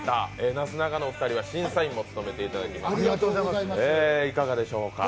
なすなかのお二人は審査員も務めていただきますけど、いかがでしょうか？